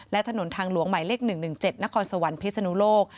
และถนนทางหลวงหมายเลข๑๑๗นครสวรรค์พิศนุโลก